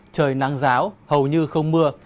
trời nắng ráo hầu như không mưa